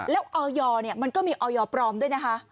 แล้วออยมันก็มีออยปลอมด้วยนะคะ